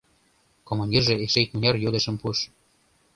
Командирже эше икмыняр йодышым пуыш.